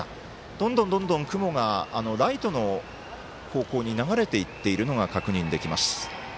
どんどん雲がライトの方向へ流れていっているのが確認できます。